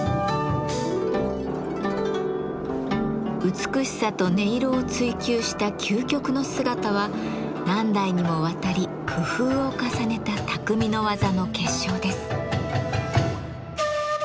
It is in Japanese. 美しさと音色を追求した究極の姿は何代にもわたり工夫を重ねた匠の技の結晶です。